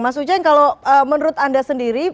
mas ujang kalau menurut anda sendiri